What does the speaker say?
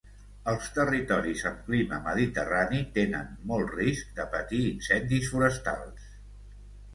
Els territoris amb clima mediterrani tenen molt risc de patir incendis forestals.